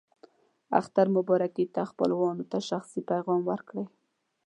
اختر مبارکي ته خپلوانو ته شخصي پیغام ورکړئ.